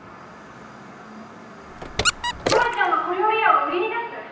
ばあちゃんの小料理屋を売りに出す！？